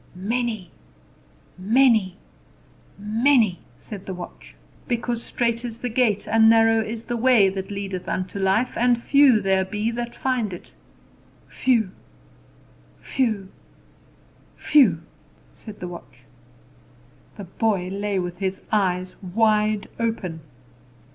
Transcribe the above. "Many, many, many!" said the watch. "Because strait is the gate, and narrow is the way, that leadeth unto life, and few there be that find it." "Few, few, few!" said the watch. The boy lay with his eyes wide open.